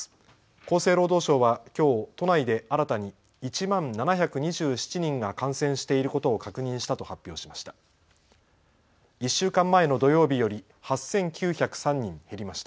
厚生労働省はきょう都内で新たに１万７２７人が感染していることを確認したと発表しました。